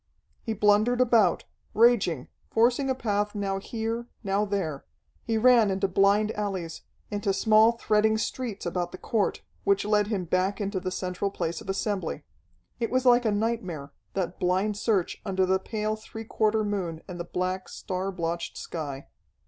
He blundered about, raging, forcing a path now here, now there. He ran into blind alleys, into small threading streets about the court, which led him back into the central place of assembly. It was like a nightmare, that blind search under the pale three quarter moon and the black, star blotched sky.